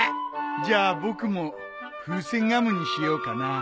じゃあ僕も風船ガムにしようかな。